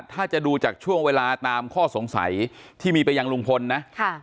ถ้าจะดูจากช่วงเวลาตามข้อสงสัยที่มีไปยังลุงพลนะค่ะ